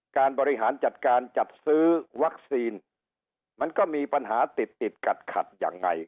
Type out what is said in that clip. การบริหารจัดการจัดซื้อวัคซีนมันก็มีปัญหาติดติดขัดขัดยังไง